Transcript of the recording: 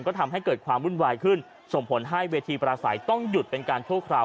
ก็ทำให้เกิดความวุ่นวายขึ้นส่งผลให้เวทีปราศัยต้องหยุดเป็นการชั่วคราว